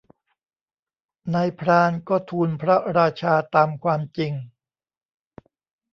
นายพรานก็ทูลพระราชาตามความจริง